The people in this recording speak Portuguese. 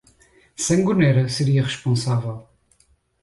Sangonera seria responsável.